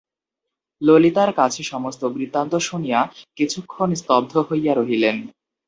ললিতার কাছে সমস্ত বৃত্তান্ত শুনিয়া কিছুক্ষণ স্তব্ধ হইয়া রহিলেন।